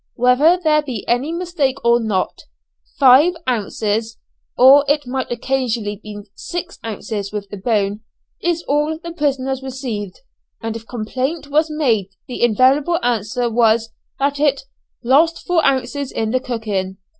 Whether there be any mistake or not, five ounces, or it might occasionally be six ounces with the bone, is all the prisoners receive, and if complaint was made the invariable answer was, that it "Lost four ounces in the cooking."